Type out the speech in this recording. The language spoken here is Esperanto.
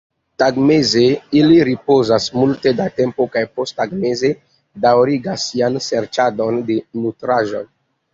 Tagmeze ili ripozas multe da tempo kaj posttagmeze daŭrigas sian serĉadon de nutraĵoj.